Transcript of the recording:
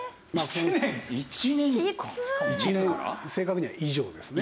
１年正確には以上ですね。